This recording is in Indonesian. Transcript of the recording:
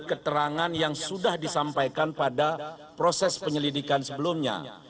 keterangan yang sudah disampaikan pada proses penyelidikan sebelumnya